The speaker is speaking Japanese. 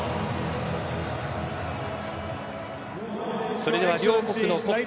それでは両国の国歌。